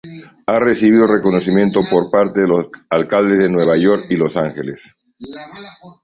Ha recibido reconocimientos por parte de los alcaldes de Nueva York y Los Ángeles.